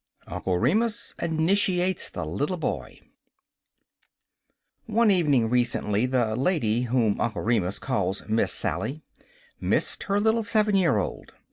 UNCLE REMUS INITIATES THE LITTLE BOY One evening recently, the lady whom Uncle Remus calls "Miss Sally" missed her little seven year old.